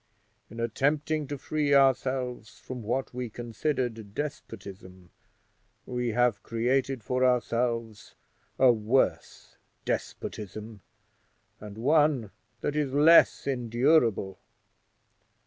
In attempting to free ourselves from what we considered despotism, we have created for ourselves a worse despotism, and one that is less endurable.